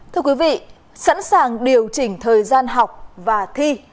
thưa quý vị sẵn sàng điều chỉnh thời gian học và thi